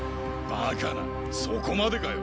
バカなそこまでかよ